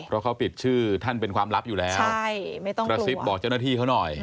เพราะเขาปิดชื่อท่านเป็นความลับอยู่แล้วกระซิบบอกเจ้าหน้าที่เขาหน่อย